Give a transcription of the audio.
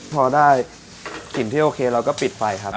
พอได้กลิ่นที่โอเคเราก็ปิดไปครับ